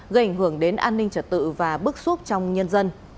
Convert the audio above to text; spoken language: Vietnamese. gây ảnh hưởng đến an ninh trật tự và bức xúc trong nhân dân